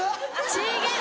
違う！